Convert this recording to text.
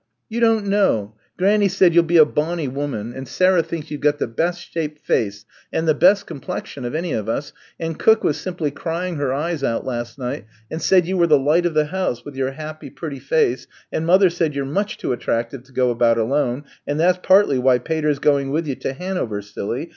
You don't know. Granny said you'll be a bonny woman, and Sarah thinks you've got the best shape face and the best complexion of any of us, and cook was simply crying her eyes out last night and said you were the light of the house with your happy, pretty face, and mother said you're much too attractive to go about alone, and that's partly why Pater's going with you to Hanover, silly....